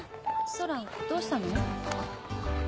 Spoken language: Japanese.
空どうしたの？